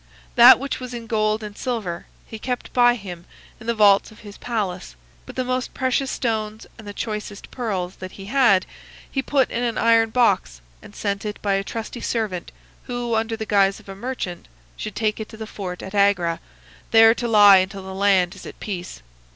That which was in gold and silver he kept by him in the vaults of his palace, but the most precious stones and the choicest pearls that he had he put in an iron box, and sent it by a trusty servant who, under the guise of a merchant, should take it to the fort at Agra, there to lie until the land is at peace.